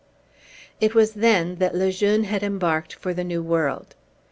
It was then that Le Jeune had embarked for the New World.